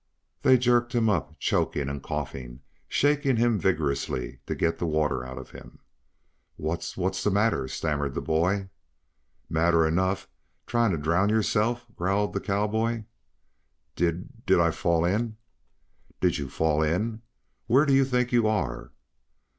They jerked him up choking and coughing, shaking him vigorously to get the water out of him. "Wha what's the matter!" stammered the boy. "Matter enough. Trying to drown yourself?" growled the cowboy. "Di did I fall in?" "Did you fall in? Where do you think you are?"